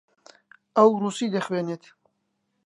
ئەو ڕووسی دەخوێنێت.